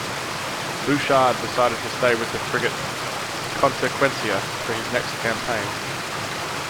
Bouchard decided to stay with the frigate "Consecuencia" for his next campaign.